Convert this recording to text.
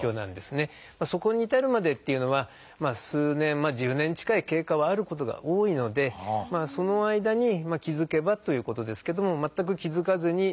そこに至るまでっていうのは数年まあ１０年近い経過はあることが多いのでその間に気付けばということですけども全く気付かずにっていう方もいます。